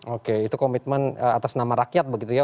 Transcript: oke itu komitmen atas nama rakyat begitu ya